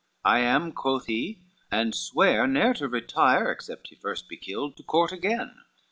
"I am," quoth he, "and swear ne'er to retire, Except he first be killed, to court again.